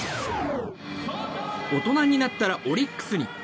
大人になったらオリックスに。